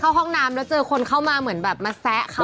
ห้องน้ำแล้วเจอคนเข้ามาเหมือนแบบมาแซะเขา